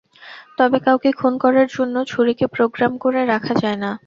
তবে কাউকে খুন করার জন্য ছুরিকে প্রোগ্রাম করে রাখা যায় না।